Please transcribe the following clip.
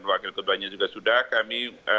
wakil ketuanya juga sudah kami